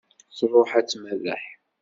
Truḥ ad tmerreḥ.